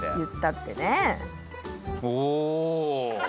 言ったってね。